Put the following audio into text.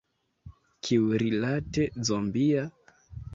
Kiurilate zombia?